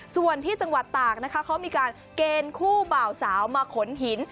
ส่วนที่จังหวัดตากนะคะเขามีการเกณฑ์คู่บ่าวสาวมาขนหิน